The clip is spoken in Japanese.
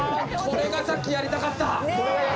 これがさっきやりたかった！